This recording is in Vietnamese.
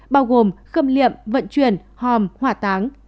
bao gồm khâm liệm vận chuyển hòm hỏa táng